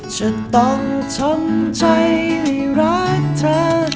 จะต้องท้องใจให้รักเธอ